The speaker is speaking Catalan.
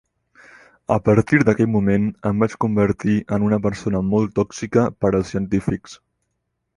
A partir d'aquell moment, em vaig convertir en una persona molt tòxica per als científics.